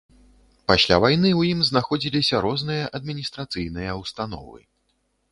Пасля вайны ў ім знаходзіліся розныя адміністрацыйныя ўстановы.